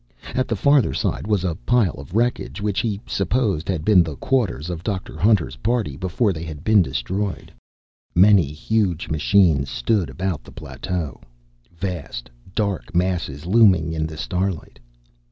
At the farther side was a pile of wreckage, which, he supposed, had been the quarters of Dr. Hunter's party, before they had been destroyed. Many huge machines stood about the plateau, vast, dark masses looming in the starlight.